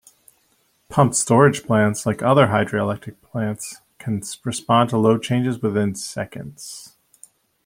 Pumped storage plants, like other hydroelectric plants, can respond to load changes within seconds.